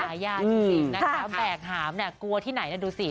หายากจริงนะคะแบกหามเนี่ยกลัวที่ไหนนะดูสิ